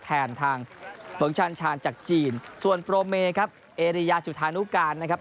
แทนทางเบิกชาญชาญจากจีนส่วนโปรเมครับเอริยาจุธานุการนะครับ